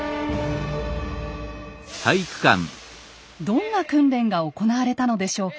どんな訓練が行われたのでしょうか。